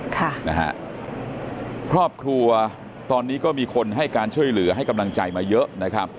ค่ะนะฮะครอบครัวตอนนี้ก็มีคนให้การช่วยเหลือให้กำลังใจมาเยอะนะครับ